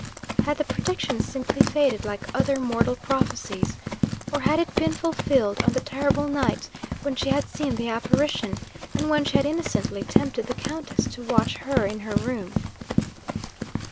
Had the prediction simply faded, like other mortal prophecies? or had it been fulfilled on the terrible night when she had seen the apparition, and when she had innocently tempted the Countess to watch her in her room?